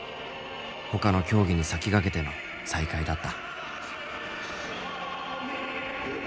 ほかの競技に先駆けての再開だった。